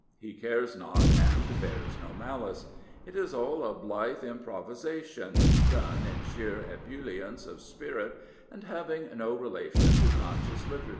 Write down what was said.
He cares not, and bears no malice. It is all a blithe improvisa tion, done in sheer ebullience of spirit and having no relation to conscious literature.